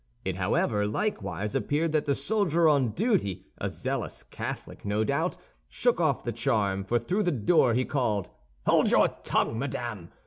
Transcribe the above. It however likewise appeared that the soldier on duty—a zealous Catholic, no doubt—shook off the charm, for through the door he called: "Hold your tongue, madame!